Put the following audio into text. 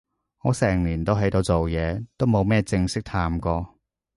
我成年都喺度做嘢，都冇乜正式嘆過